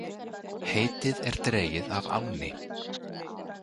Heitið er dregið af ánni.